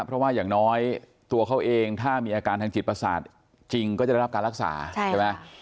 เพราะว่าอย่างน้อยตัวเขาเองถ้ามีอาการทางจิตประสาทจริงก็จะได้รับการรักษาใช่ไหม